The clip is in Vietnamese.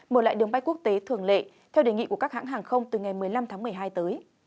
mở lại đường bay quốc tế thường lệ theo đề nghị của các hãng hàng không từ ngày một mươi năm tháng một mươi hai tới